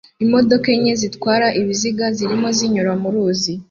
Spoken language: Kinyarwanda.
Imodoka enye zitwara ibiziga zirimo zinyura mu ruzi